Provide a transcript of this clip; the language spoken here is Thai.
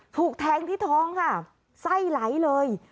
ถูกแทงที่ท้องค่ะไส้ไหลเลย